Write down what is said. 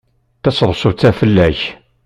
Taseḍsut-a fell-ak.